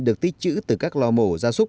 được tích chữ từ các lo mổ ra xốp